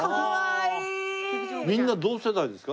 みんな同世代ですか？